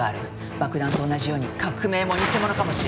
爆弾と同じように革命も偽物かもしれない。